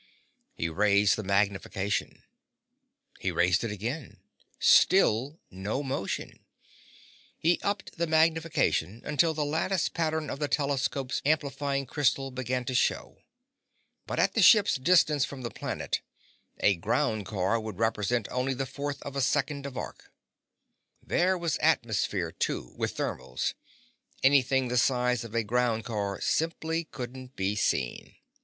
He raised the magnification. He raised it again. Still no motion. He upped the magnification until the lattice pattern of the telescope's amplifying crystal began to show. But at the ship's distance from the planet, a ground car would represent only the fortieth of a second of arc. There was atmosphere, too, with thermals; anything the size of a ground car simply couldn't be seen.